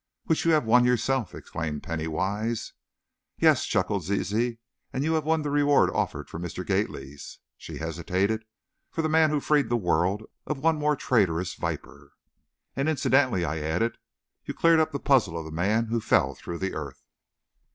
"Which you have won yourself!" exclaimed Penny Wise. "Yes," chuckled Zizi, "and you've won the reward offered for Mr. Gately's " she hesitated, "for the man who freed the world of one more traitorous viper!" "And, incidentally," I added, "you've cleared up the puzzle of the man who fell through the earth!"